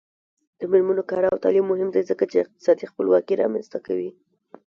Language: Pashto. د میرمنو کار او تعلیم مهم دی ځکه چې اقتصادي خپلواکي رامنځته کوي.